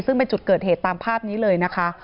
ซึ่งเป็นจุดเกิดเหตุตามภาพนี้เลยนะคะ